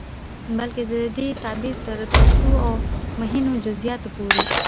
بلکې د دې تعبير تر پستو او مهينو جزيىاتو پورې